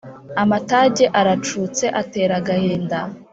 Amatage aracutse atera agahinda